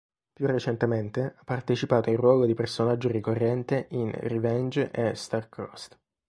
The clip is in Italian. Più recentemente ha partecipato in ruolo di personaggio ricorrente in Revenge e Star-Crossed.